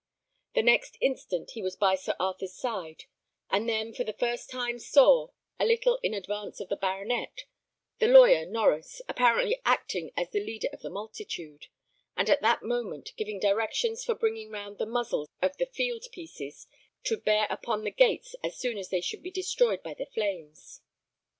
The next instant he was by Sir Arthur's side, and then for the first time saw, a little in advance of the baronet, the lawyer Norries, apparently acting as the leader of the multitude, and at that moment giving directions for bringing round the muzzles of the field pieces to bear upon the gates as soon as they should be destroyed by the flames.